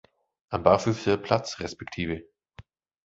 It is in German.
Am Barfüsserplatz, resp.